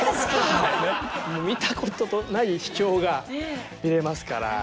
もう見たことない秘境が見れますから。